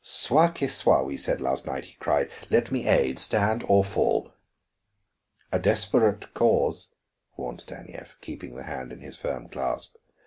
"'Soit que soit,' we said last night," he cried. "Let me aid; stand or fall." "A desperate cause," warned Stanief, keeping the hand in his firm clasp.